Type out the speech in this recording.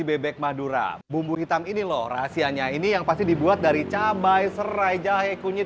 bebek madura bumbu hitam ini loh rahasianya ini yang pasti dibuat dari cabai serai jahe kunyit